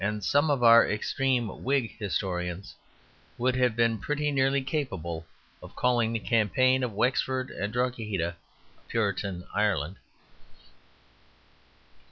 And some of our extreme Whig historians would have been pretty nearly capable of calling the campaign of Wexford and Drogheda "Puritan Ireland."